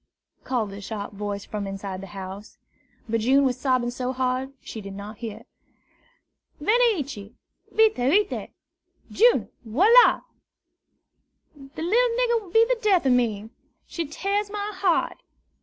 called a sharp voice from the house. But June was sobbing so hard she did not hear. "Venez ici, vite, vite! June! Voila! The little nigger will be the death of me. She tears my heart.